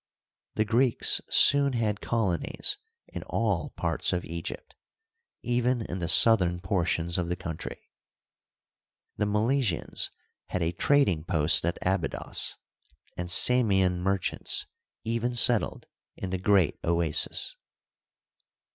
The Greeks soon had colonies in all parts of Egypt, even in the southern portions of the country. The Milesians had a trading post at Abydos, and Samian merchants even settled in the Great Oasis.